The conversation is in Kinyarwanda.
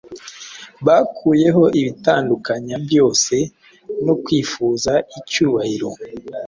Bakuyeho ibibatandukanya byose no kwifuza icyubahiro